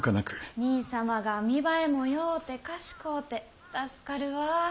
兄様が見栄えもようて賢うて助かるわぁ。